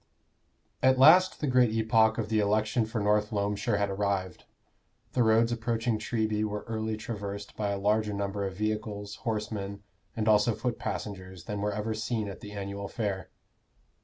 At last the great epoch of the election for North Loamshire had arrived. The roads approaching Treby were early traversed by a larger number of vehicles, horsemen, and also foot passengers than were ever seen at the annual fair.